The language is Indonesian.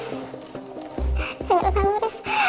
saya merasa miris